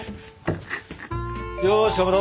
よしかまど